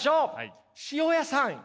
塩屋さん